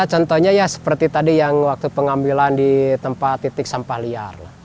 contohnya ya seperti tadi yang waktu pengambilan di tempat titik sampah liar